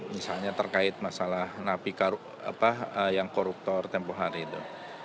misalnya terkait masalah napi yang koruptor tempoh hari itu